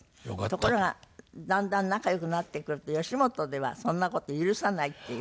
ところがだんだん仲良くなってくると吉本ではそんな事許さないっていう。